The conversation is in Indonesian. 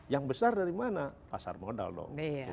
yang besar dari mana pasar modal dong